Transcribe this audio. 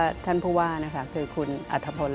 ว่าถ้าสถานการณ์นี้ยังอยู่ความช่วยเหลือก็จะยังอยู่